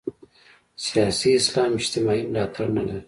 سیاسي اسلام اجتماعي ملاتړ نه لري.